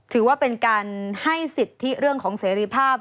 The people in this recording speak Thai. ถือว่าเป็นการให้สิทธิเรื่องของเสรีภาพ